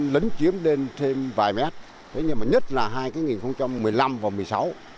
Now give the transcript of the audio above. lính chiếm đến thêm vài mét nhất là hai một mươi năm và một sáu